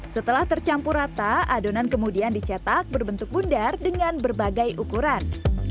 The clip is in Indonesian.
setelah tercampur rata adonan kemudian dicetak berbentuk bundar dengan berbagai ukuran